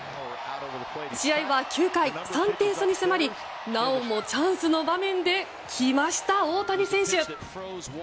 試合は９回、３点差に迫りなおもチャンスの場面できました、大谷選手！